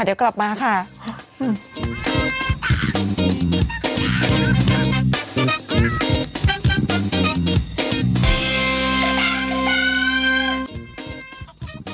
เดี๋ยวกลับมาค่ะ